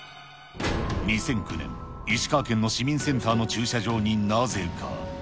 ２００９年、石川県の市民センターの駐車場になぜか。